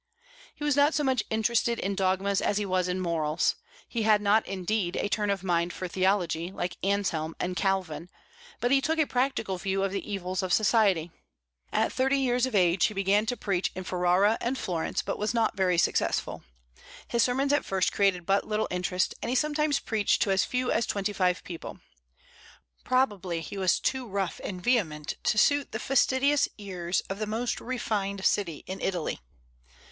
He was not so much interested in dogmas as he was in morals. He had not, indeed, a turn of mind for theology, like Anselm and Calvin; but he took a practical view of the evils of society. At thirty years of age he began to preach in Ferrara and Florence, but was not very successful. His sermons at first created but little interest, and he sometimes preached to as few as twenty five people. Probably he was too rough and vehement to suit the fastidious ears of the most refined city in Italy.